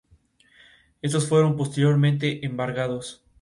Estos fueron posteriormente embargados.